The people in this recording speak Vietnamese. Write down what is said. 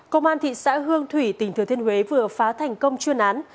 công an thị xã hương thủy tỉnh thừa thiên huế vừa phá thành công chuyên án